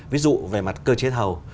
ví dụ về mặt cơ chế thầu